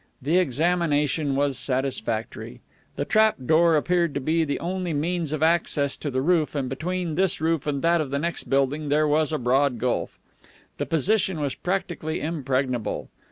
The examination was satisfactory. The trapdoor appeared to be the only means of access to the roof, and between this roof and that of the next building there was a broad gulf. The position was practically impregnable.